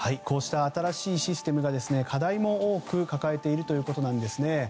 こうした新しいシステムが課題を多く抱えているということなんです。